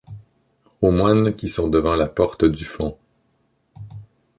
Aux moines qui sont devant la porte du fond.